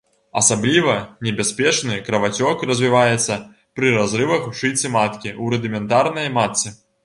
Асабліва небяспечны крывацёк развіваецца пры разрывах у шыйцы маткі, у рудыментарнай матцы.